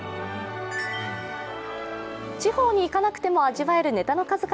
地方に行かなくても味わえるネタの数々。